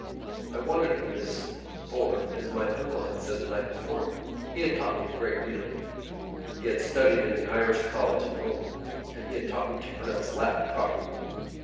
I wondered at this for, as my uncle had said the night before, he had taught me a great deal. He had studied in the Irish college in Rome and he had taught me to pronounce Latin properly.